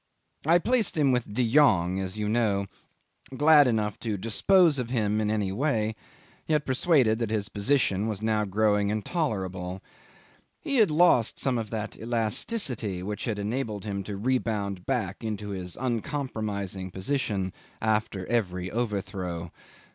'I placed him with De Jongh, as you know, glad enough to dispose of him in any way, yet persuaded that his position was now growing intolerable. He had lost some of that elasticity which had enabled him to rebound back into his uncompromising position after every overthrow.